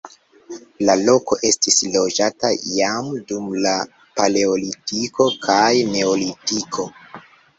La loko estis loĝata jam dum la paleolitiko kaj neolitiko.